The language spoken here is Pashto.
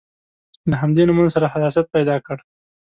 له همدې نومونو سره حساسیت پیدا کړ.